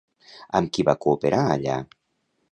Amb qui va cooperar allà?